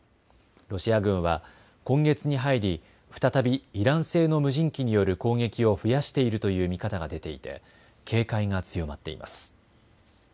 ロシア軍は今月に入り再びイラン製の無人機による攻撃を増やしているという見方が出ていて警戒が強まっています。